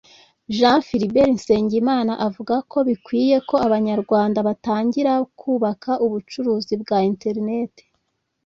Jean Philbert Nsengimana avuga ko bikwiye ko Abanyarwanda batangira kubaka ubucuruzi bwa Internet